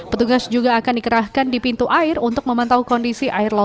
petugas juga akan dikonsumsi dengan barang barang di dalam rumah